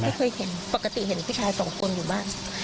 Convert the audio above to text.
ไม่เคยเห็นปกติเห็นผู้ชายสองคนอยู่บ้าน